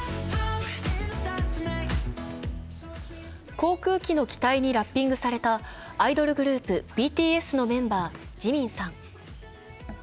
航空機の機体にラッピングされたアイドルグループＢＴＳのメンバー・ＪＩＭＩＮさん。